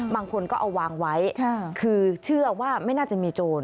บางคนก็เอาวางไว้คือเชื่อว่าไม่น่าจะมีโจร